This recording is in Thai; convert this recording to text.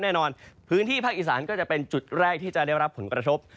ในพื้นที่ภาคอีสานก็จะเป็นจุดแรกที่จะได้รับผลกระทบ